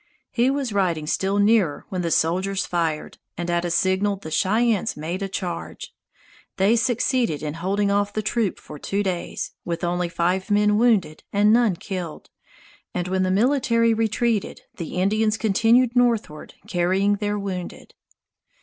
He was riding still nearer when the soldiers fired, and at a signal the Cheyennes made a charge. They succeeded in holding off the troops for two days, with only five men wounded and none killed, and when the military retreated the Indians continued northward carrying their wounded.